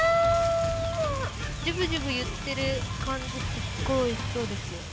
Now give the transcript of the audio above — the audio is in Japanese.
ジュブジュブいってる感じすごいおいしそうですよ。